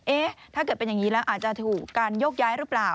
ถ้าเกิดเป็นอย่างนี้แล้วอาจจะถูกการโยกย้ายหรือเปล่า